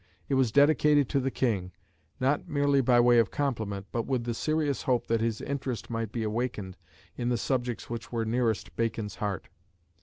It was dedicated to the King, not merely by way of compliment, but with the serious hope that his interest might be awakened in the subjects which were nearest Bacon's heart.